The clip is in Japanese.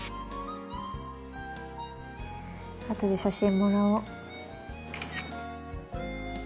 後で写真もらおう。